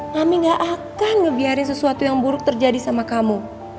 kami gak akan ngebiarin sesuatu yang buruk terjadi sama kamu